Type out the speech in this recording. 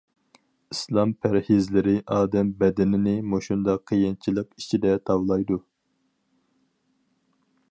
ئىسلام پەرھىزلىرى ئادەم بەدىنىنى مۇشۇنداق قىيىنچىلىق ئىچىدە تاۋلايدۇ.